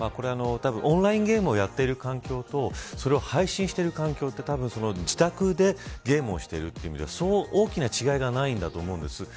オンラインゲームをやっている環境とそれを配信している環境は自宅でゲームをしているという意味では、大きな違いがないんだと思うんです。